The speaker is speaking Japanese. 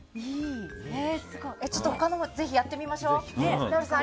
他のもぜひやってみましょう。